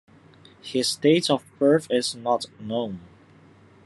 His date of birth is not known.